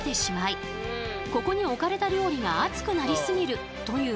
ここに置かれた料理が熱くなりすぎるという問題が発生。